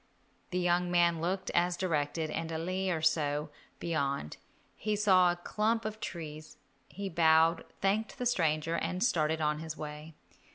The young man looked as directed, and a li or so beyond he saw a clump of trees. He bowed, thanked the stranger, and started on his way.